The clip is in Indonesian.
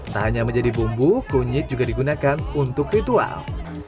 tak hanya menjadi bumbu kunyit juga digunakan untuk ritual